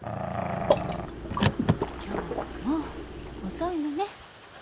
今日も遅いのね。